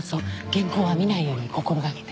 原稿は見ないように心がけて。